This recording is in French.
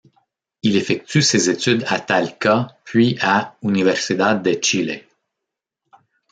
Il effectue ses études à Talca, puis à Universidad de Chile.